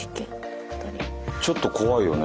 ちょっと怖いよね。